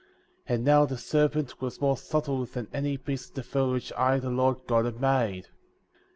^ 5S And now the serpenf* was more subtle than any beast of the field which I, the Lord God, had made.